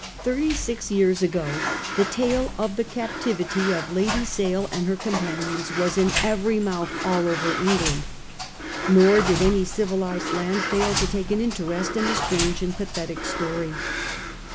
Thirty six years ago the tale of the captivity of Lady Sale and her companions was in every mouth all over England ; nor did any civilised land fail to take an interest in the strange and pathetic story.